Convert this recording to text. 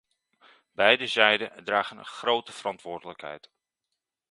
Beide zijden dragen een grote verantwoordelijkheid.